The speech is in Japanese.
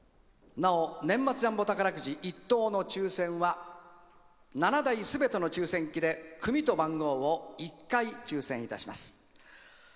なお、年末ジャンボ宝くじ１等の抽せんは７台すべての抽せん機で組と番号を１回抽せんいたします。